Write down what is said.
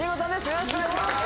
よろしくお願いします